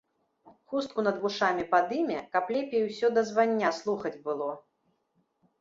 Хустку над вушамі падыме, каб лепей усё дазвання слухаць было.